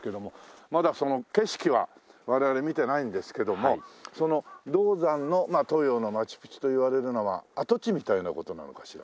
まだその景色は我々見てないんですけども銅山の東洋のマチュピチュといわれるのは跡地みたいな事なのかしら。